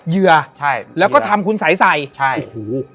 เหยื่อใช่แล้วก็ทำคุณสัยใส่ใช่โอ้โห